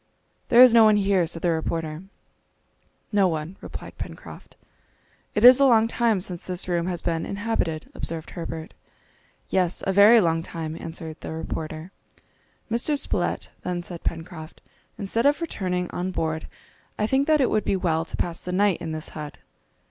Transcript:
"There is no one here," said the reporter. "No one," replied Pencroft. "It is a long time since this room has been inhabited," observed Herbert. "Yes, a very long time!" answered the reporter. "Mr. Spilett," then said Pencroft, "instead of returning on board, I think that it would be well to pass the night in this hut."